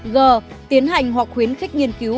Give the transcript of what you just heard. g tiến hành hoặc khuyến khích nghiên cứu